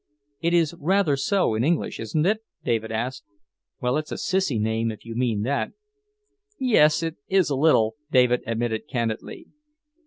"It is rather so in English, isn't it?" David asked. "Well, it's a sissy name, if you mean that." "Yes, it is, a little," David admitted candidly.